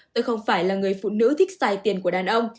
tôi không phải là người phụ nữ thích xài tiền của đàn ông